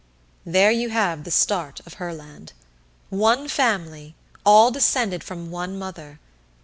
There you have the start of Herland! One family, all descended from one mother!